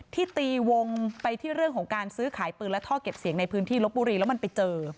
ตีวงไปที่เรื่องของการซื้อขายปืนและท่อเก็บเสียงในพื้นที่ลบบุรีแล้วมันไปเจอ